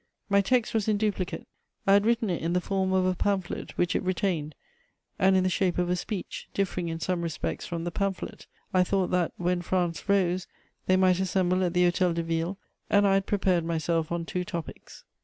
My text was in duplicate: I had written it in the form of a pamphlet, which it retained, and in the shape of a speech, differing in some respects from the pamphlet; I thought that, when France rose, they might assemble at the Hôtel de Ville, and I had prepared myself on two topics.